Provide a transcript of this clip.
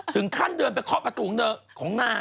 ถึงขั้นเดินไปเคาะประตูของนาง